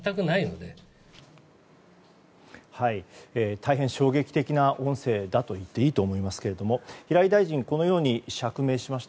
大変、衝撃的な音声だといっていいと思いますが平井大臣はこのように釈明しました。